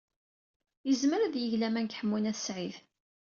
Yezmer ad yeg laman deg Ḥemmu n At Sɛid.